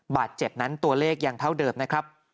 บาดเจ็บนั้นตัวเลขยังเท่าเดิมนะครับ